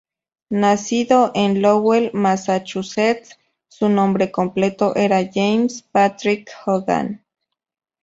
Nacido en Lowell, Massachusetts, su nombre completo era James Patrick Hogan.